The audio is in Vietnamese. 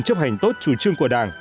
chấp hành tốt chủ trương của đảng